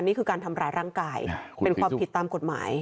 นี่คือการทำร้ายร่างกายเป็นความผิดตามกฎหมาย